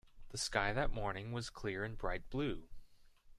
The sky that morning was clear and bright blue.